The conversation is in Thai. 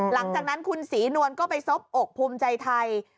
หลังจากนั้นคุณศรีนวลก็ไปซบอกภูมิใจไทย